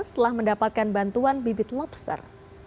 setelah mendapatkan bantuan bibit lobster